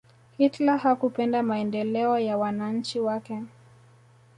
hitler hakupenda maendeleo ya wananchi wake